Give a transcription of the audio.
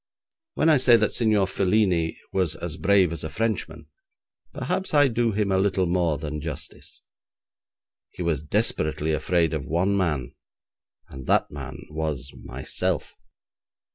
When I say that Signor Felini was as brave as a Frenchman, perhaps I do him a little more than justice. He was desperately afraid of one man, and that man was myself.